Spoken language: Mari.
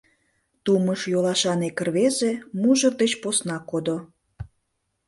Тумыш йолашан ик рвезе мужыр деч посна кодо.